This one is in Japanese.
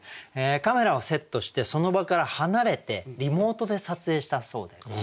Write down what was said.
カメラをセットしてその場から離れてリモートで撮影したそうでございます。